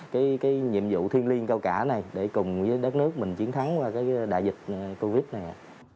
cái nhiệm vụ thiên liên cao cả này để cùng với đất nước mình chiến thắng qua cái đại dịch covid này ạ